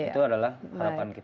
itu adalah harapan kita